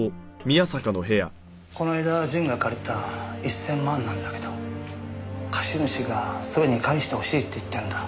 この間淳が借りた１０００万なんだけど貸主がすぐに返してほしいって言ってんだ。